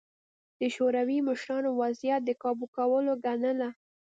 د شوروي مشرانو وضعیت د کابو کولو ګڼله